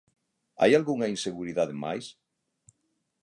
Hai algunha inseguridade máis?